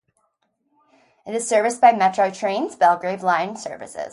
It is serviced by Metro Trains' Belgrave line services.